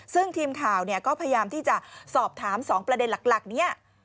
ซึ่งทีมข่าวก็พยายามที่จะสอบถาม๒ประเด็นหลักนี้